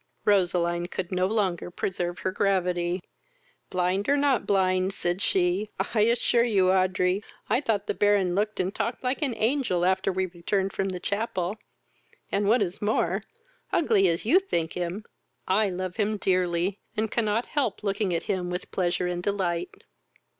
Roseline could no longer preserve her gravity. "Blind, or not blind, (said she,) I assure you, Audrey, I thought the Baron looked and talked like an angel after we returned from the chapel; and, what is more, ugly as you think him, I love him dearly, and cannot help looking at him with pleasure and delight."